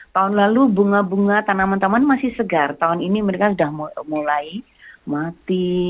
tahun lalu bunga bunga tanaman taman masih segar tahun ini mereka sudah mulai mati